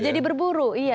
menjadi berburu iya